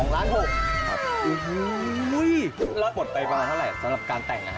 แล้วหมดไปประมาณเท่าไหร่สำหรับการแต่ง